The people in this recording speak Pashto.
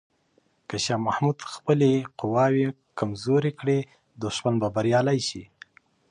که شاه محمود خپلې قواوې کمزوري کړي، دښمن به بریالی شي.